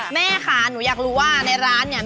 แม่ค่ะหนูอยากรู้ว่าในร้านเนี่ย